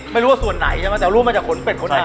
ไม่รู้ว่าส่วนไหนใช่มั้ยแต่รู้มาจากขนเป็ดขนหน้าครับ